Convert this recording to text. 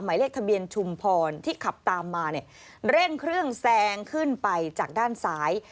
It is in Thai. หมายเลขทะเบียนชุมพรที่ขับตามมาเนี่ยเร่งเครื่องแซงขึ้นไปจากด้านซ้าย